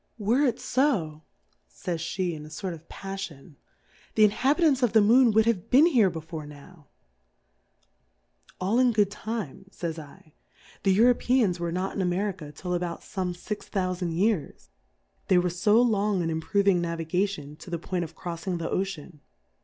Were ic lb, fajspej in a fort of a Pailion, the Inha bitants of the Moon would have been here before now. All in good timtjajs L the Europeans were not in Auerka till Plurality ^/WORLDS. 67 till about fome Six Thoufand Years •, they were fo long in improving Navi gation to the Point of croiTing the Oce an.